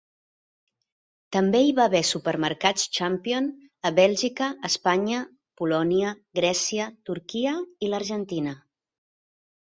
També hi va haver supermercats Champion a Bèlgica, Espanya, Polònia, Grècia, Turquia i l'Argentina.